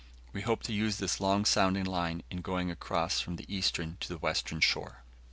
We hope to use this long sounding line in going across from the eastern to the western shore.